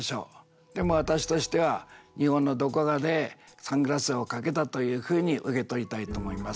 でも私としては日本のどこかでサングラスをかけたというふうに受け取りたいと思います。